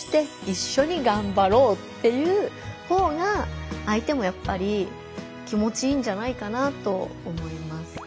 っていうほうが相手もやっぱり気持ちいいんじゃないかなと思います。